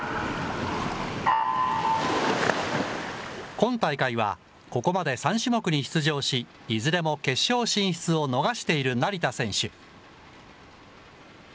今大会はここまで３種目に出場し、いずれも決勝進出を逃している成田選手。